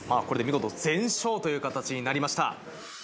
これで見事全勝という形になりました。